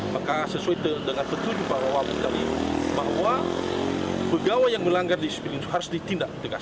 maka sesuai dengan petunjuk bahwa pegawai yang melanggar diskipil harus ditindak